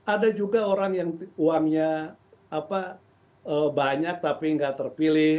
ada juga orang yang uangnya banyak tapi nggak terpilih